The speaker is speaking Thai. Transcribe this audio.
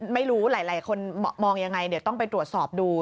ไม่รู้หลายคนมองยังไงเดี๋ยวต้องไปตรวจสอบดู